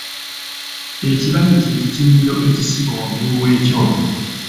Ekibanyi kye kitindiro ekisibwa waggulu w’ekyoto.